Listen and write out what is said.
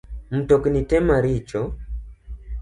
Mtokni te maricho